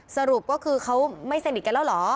สรุปก็คือเขาไม่สนิทกันแล้วเหรอ